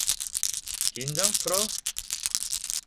긴장 풀어.